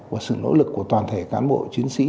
và sự nỗ lực của toàn thể cán bộ chiến sĩ